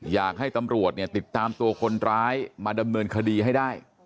อยากให้ตำรวจเนี่ยติดตามตัวคนร้ายมาดำเนินคดีให้ได้